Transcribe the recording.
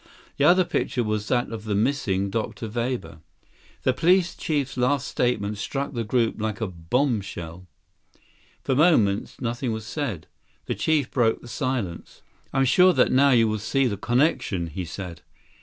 "The other picture was that of the missing Dr. Weber." 64 The police chief's last statement struck the group like a bombshell. For moments, nothing was said. The chief broke the silence. "I'm sure that now you will see the connection," he said.